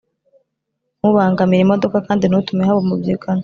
Ntubangamire imodoka kandi ntutume haba umubyigano